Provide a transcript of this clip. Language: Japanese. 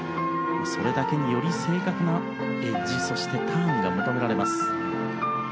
それだけにより正確なエッジそしてターンが求められます。